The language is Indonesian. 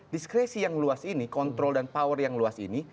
diskresi yang luas ini kontrol dan power yang luas ini